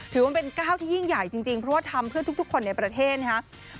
ถือว่าเป็นก้าวที่ยิ่งใหญ่จริงเพราะว่าทำเพื่อทุกคนในประเทศนะครับ